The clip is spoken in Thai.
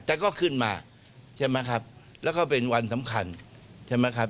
แต่ก็ขึ้นมาใช่ไหมครับแล้วก็เป็นวันสำคัญใช่ไหมครับ